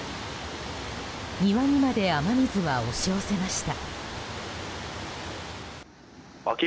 庭にまで雨水は押し寄せました。